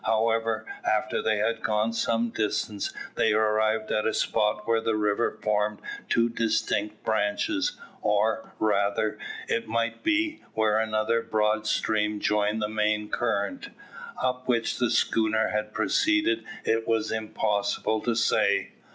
However, after they had gone some distance, they arrived at a spot where the river formed two distinct branches, or, rather, it might be, where another broad stream joined the main current. Up which the schooner had proceeded it was impossible to say.